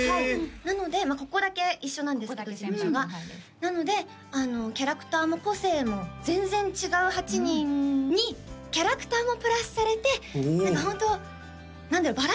なのでここだけ一緒なんですけど事務所がなのでキャラクターも個性も全然違う８人にキャラクターもプラスされておおホント何だろう